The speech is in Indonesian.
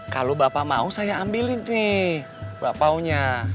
kalau bapa mau saya ambilin nih bapaunya